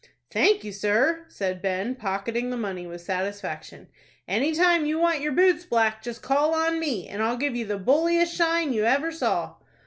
"Thank you, sir," said Ben, pocketing the money with satisfaction. "Any time you want your boots blacked, just call on me, and I'll give you the bulliest shine you ever saw."